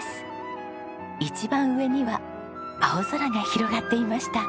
一番上には青空が広がっていました。